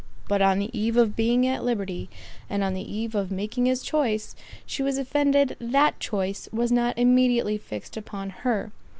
But on the eve of being at liberty, and on the eve of making his choice, she was offended that choice was not immediately fixed upon her.